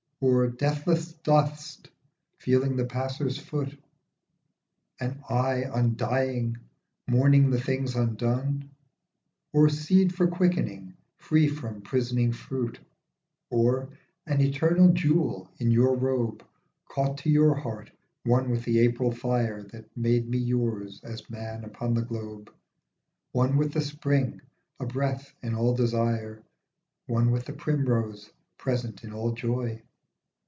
Or deathless dust feeling the passer's foot ? An eye undying mourning things undone? Or seed for quickening free from prisoning fruit ? Or an eternal jewel on your robe, Caught to your heart, one with the April T ~*' fire CV8IW 111C That made me yours as man upon the globe, One with the spring, a breath in all desire, One with the primrose, present in all joy?